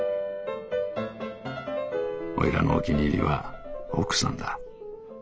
おいらのお気に入りは奥さんだ。